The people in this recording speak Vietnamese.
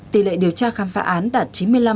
tỷ lệ điều tra khám phá án đạt chín mươi năm tám mươi ba